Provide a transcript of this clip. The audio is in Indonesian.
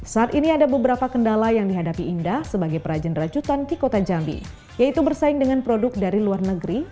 saat ini ada beberapa kendala yang dihadapi indah sebagai perajin racutan di kota jambi yaitu bersaing dengan produk dari luar negeri